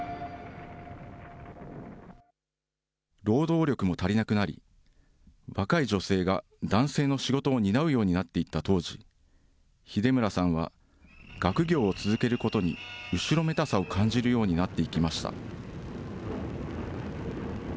労働力も足りなくなり、若い女性が男性の仕事を担うようになっていった当時、秀村さんは学業を続けることに後ろめたさを感じるようになっていきました。